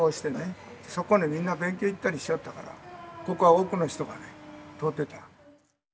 そこにみんな勉強行ったりしよったからここは多くの人が通ってた。